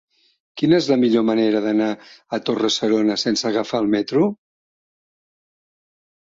Quina és la millor manera d'anar a Torre-serona sense agafar el metro?